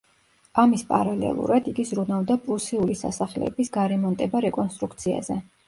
ამის პარალელურად იგი ზრუნავდა პრუსიული სასახლეების გარემონტება-რეკონსტრუქციაზე.